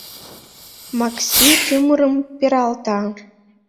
Макси тӱмырым пералта.